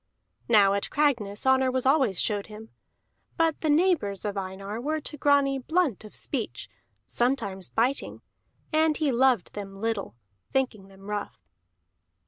Now at Cragness honor was always showed him; but the neighbors of Einar were to Grani blunt of speech, sometimes biting; and he loved them little, thinking them rough.